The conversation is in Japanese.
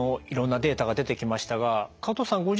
いろんなデータが出てきましたが加藤さん